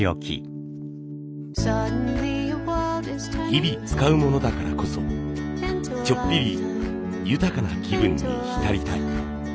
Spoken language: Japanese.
日々使うものだからこそちょっぴり豊かな気分に浸りたい。